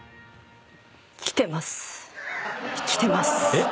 えっ？